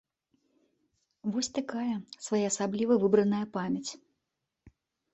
Вось такая своеасабліва выбраная памяць.